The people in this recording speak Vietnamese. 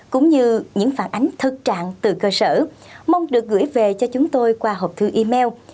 cũng như những phản ánh thực trạng từ cơ sở mong được gửi về cho chúng tôi qua hộp thư email